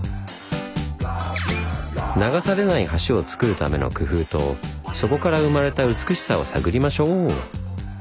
流されない橋をつくるための工夫とそこから生まれた美しさを探りましょう！